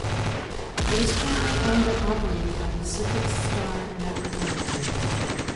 It is currently owned and operated by Pacific Star Network Limited.